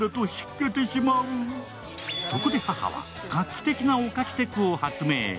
そこで母は画期的なおかきテクを発明。